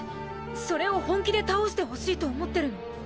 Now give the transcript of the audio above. それを本気で倒してほしいと思ってるの？